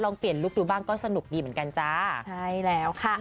ลองเปลี่ยนลูกดูบ้างก็สนุกอีกเหมือนกันจ้า